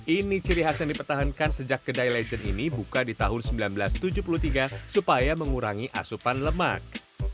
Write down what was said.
ini ciri khas yang dipertahankan sejak kedai legend ini buka di tahun seribu sembilan ratus tujuh puluh tiga supaya mengurangi asupan lemak